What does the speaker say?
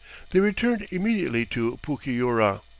They returned immediately to Pucyura.